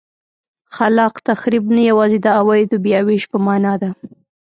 خلاق تخریب نه یوازې د عوایدو بیا وېش په معنا ده.